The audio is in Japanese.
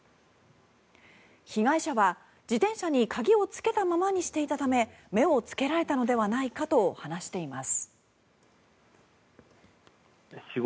被害者は自転車に鍵をつけたままにしていたため目をつけられたのではないかと話しています。